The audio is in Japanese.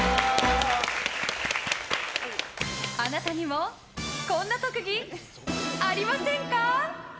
あなたにもこんな特技ありませんか？